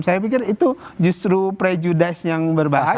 saya pikir itu justru prejudice yang berbahaya